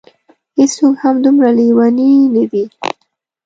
هېڅوک هم دومره لېوني نه دي.